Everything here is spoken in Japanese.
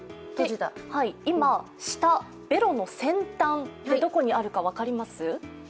今、舌、ベロの先端ってどこにあるか分かります？